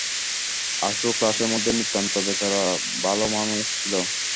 আশু ক্লাসের মধ্যে নিতান্ত বেচারা ভালোমানুষ ছিল।